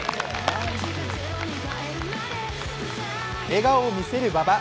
笑顔を見せる馬場。